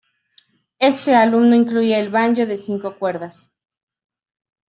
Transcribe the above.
Este álbum no incluía el banjo de cinco cuerdas.